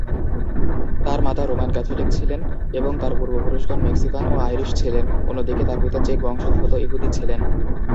তার মাতা Roman Catholic ছিলেন এবং তার পূর্বপুরুষগণ মেক্সিকান ও আইরিশ ছিলেন; অন্যদিকে তার পিতা চেক বংশোদ্ভূত ইহুদি ছিলেন।